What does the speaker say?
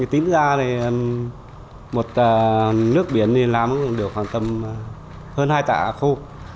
tính ra thì một nước biển thì làm được khoảng tầm hơn hai tạ khô